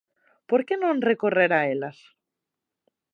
Por que non recorrer a elas?